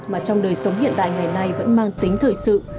mà trong đời sống hiện đại ngày nay vẫn mang tính thời sự